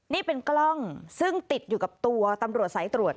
นี่เป็นกล้องซึ่งติดอยู่กับตัวตำรวจสายตรวจ